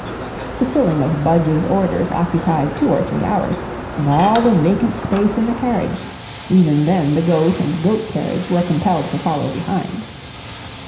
The filling of Budge's orders occupied two or three hours and all the vacant space in the carriage; even then the goat and goat carriage were compelled to follow behind.